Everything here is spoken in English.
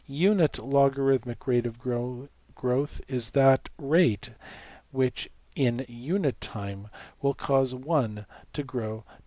Unit logarithmic rate of growth is that rate which in unit time will cause $1$ to grow to $2.